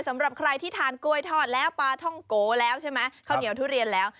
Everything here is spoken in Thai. สำหรับใครที่ทานกล้วยทอดแล้วปลาท่องโกแล้วใช่ไหมข้าวเหนียวทุเรียนแล้ว